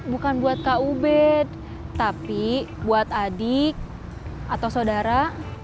bukan buat kak ubed tapi buat adik atau saudara